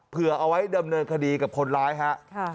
เอาไว้ดำเนินคดีกับคนร้ายฮะ